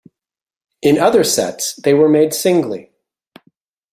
In other sets they were made singly.